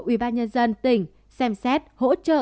ubnd tỉnh xem xét hỗ trợ